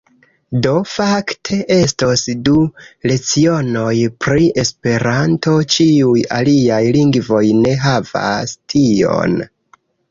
Do fakte estos du lecionoj pri esperanto ĉiuj aliaj lingvoj ne havas tion.